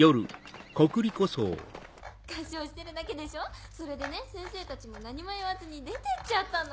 合唱してるだけでしょそれでね先生たちも何も言わずに出てっちゃったの。